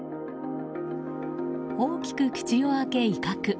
大きく口を開け、威嚇。